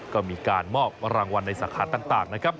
ก็มีการมอบรางวัลในสาขาต่างนะครับ